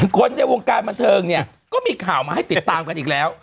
คนในวงการบันเทิงเนี่ยก็มีข่าวมาให้ติดตามกันอีกแล้ว